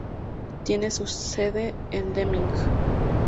Tiene su sede en Deming.